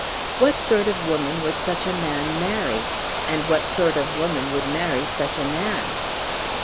What sort of woman would such a man marry, and what sort of woman would marry such a man?